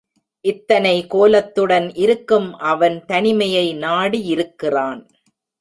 இத்தனை கோலத்துடன் இருக்கும் அவன் தனிமையை நாடியிருக்கிறான்.